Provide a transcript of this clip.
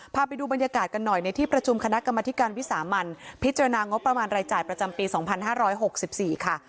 พาไปดูบรรยากาศกันหน่อยในที่ประชุมคณะกรรมธิการวิสามันพิจารณางบประมาณรายจ่ายประจำปี๒๕๖๔ค่ะ